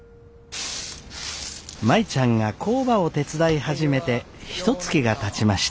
舞ちゃんが工場を手伝い始めてひとつきがたちました。